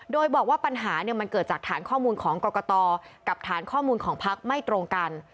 โดยบอกว่าปัญหามันเกิดจากฐานข้อมูลของกรกตกับฐานข้อมูลของพักไม่ตรงกัน